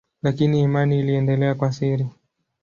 Lakini imani iliendelea kwa siri.